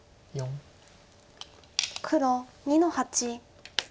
黒２の八。